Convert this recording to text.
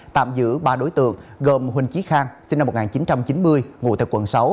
tạm giữ ba đối tượng gồm huỳnh chí khang sinh năm một nghìn chín trăm chín mươi ngụ tại quận sáu